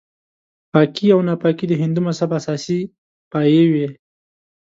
پاکي او ناپاکي د هندو مذهب اساسي پایې وې.